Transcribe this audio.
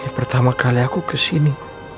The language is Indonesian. pertama kali aku kesini